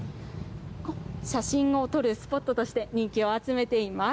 写真を撮るスポットとして、人気を集めています。